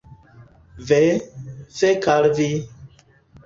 Ve, fek al vi!